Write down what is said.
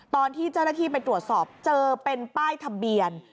ตอนที่เจ้าหน้าที่ไปตรวจสอบเจอเป็นป้ายทะเบียน